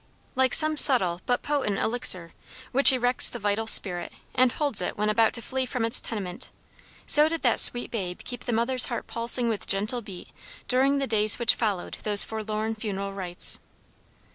Like some subtle but potent elixir, which erects the vital spirit, and holds it when about to flee from its tenement, so did that sweet babe keep the mother's heart pulsing with gentle beat during the days which followed those forlorn funeral rites.